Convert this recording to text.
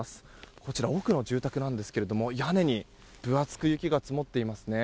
こちら、奥が住宅なんですけど屋根に分厚く雪が積もってますね。